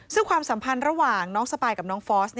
ซึ่งความสัมพันธ์ระหว่างน้องสปายกับน้องฟอส